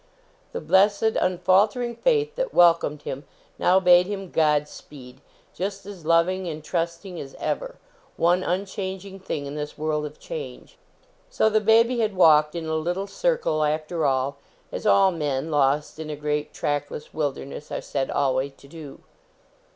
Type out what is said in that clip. The blessed, unfalter ing faith that welcomed him, now bade him Godspeed, just as loving and trusting as ever, one unchanging thing in this world of change. So the baby had walked in a little circle, after all, as all men, lost in a great trackless wilderness, are said alway to do.